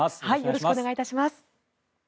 よろしくお願いします。